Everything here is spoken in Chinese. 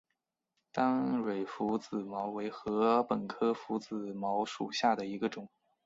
单蕊拂子茅为禾本科拂子茅属下的一个种。